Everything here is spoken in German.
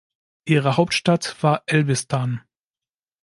Ihre Hauptstadt war Elbistan.